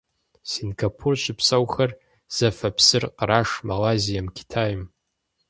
Сингапур щыпсэухэр зэфэ псыр къраш Малайзием, Китайм.